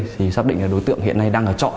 thì xác định là đối tượng hiện nay đang ở trọ